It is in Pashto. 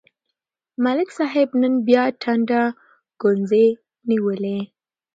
ملک صاحب نن بیا ټنډه ګونځې نیولې.